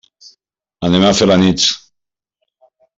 Anem a Felanitx.